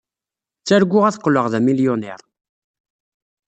Ttarguɣ ad qqleɣ d amilyuniṛ.